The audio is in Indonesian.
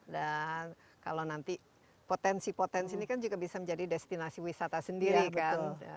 dan kalau nanti potensi potensi ini kan juga bisa menjadi destinasi wisata sendiri kan